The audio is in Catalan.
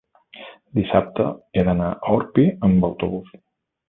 dissabte he d'anar a Orpí amb autobús.